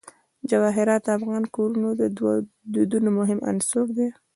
جواهرات د افغان کورنیو د دودونو مهم عنصر دی.